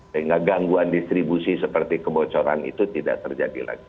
sehingga gangguan distribusi seperti kebocoran itu tidak terjadi lagi